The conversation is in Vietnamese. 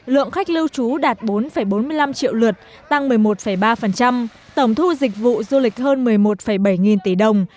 lượng khách lưu trú đạt bốn bốn mươi năm triệu lượt tăng một mươi một ba tổng thu dịch vụ du lịch hơn một mươi một bảy nghìn tỷ đồng